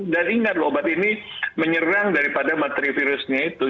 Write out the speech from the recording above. dan ingatlah obat ini menyerang daripada materi virusnya itu